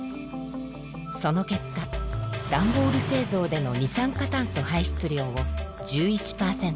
その結果段ボール製造での二酸化炭素排出量を１１％